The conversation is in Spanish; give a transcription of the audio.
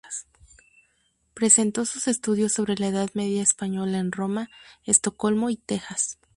Presentó sus estudios sobre la Edad Media española en Roma, Estocolmo y Texas.